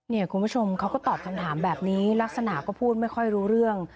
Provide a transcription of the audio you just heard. คุณผู้ชมเขาก็ตอบคำถามแบบนี้ลักษณะก็พูดไม่ค่อยรู้เรื่อง